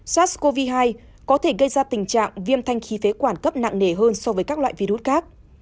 sars cov hai có thể gây ra tình trạng viêm thanh khí phế quản cấp nặng nề hơn so với các loại virus khác